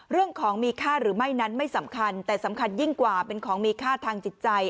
เรื่องของมีค่าหรือไม่นั้นไม่สำคัญแต่สำคัญยิ่งกว่าเป็นของมีค่าทางจิตใจ